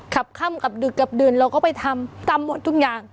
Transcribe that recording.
ค่ำกับดึกกับดื่นเราก็ไปทำทำหมดทุกอย่าง